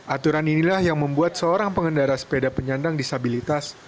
aturan inilah yang membuat seorang pengendara sepeda penyandang disabilitas